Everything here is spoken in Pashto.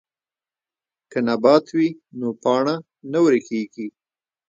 که نبات وي نو پاڼه نه ورکیږي.